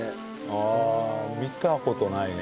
ああ見た事ないね。